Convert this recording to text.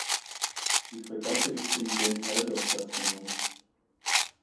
Die Fregatte ist in Den Helder stationiert.